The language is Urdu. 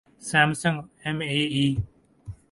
Samsung M A E